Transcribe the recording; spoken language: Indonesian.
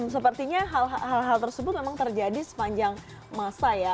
sepertinya hal hal tersebut memang terjadi sepanjang masa ya